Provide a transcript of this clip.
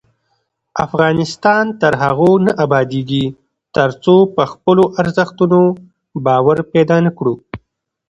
افغانستان تر هغو نه ابادیږي، ترڅو په خپلو ارزښتونو باور پیدا نکړو.